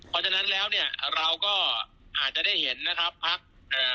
เพราะฉะนั้นแล้วเนี่ยเราก็อาจจะได้เห็นนะครับพักเอ่อ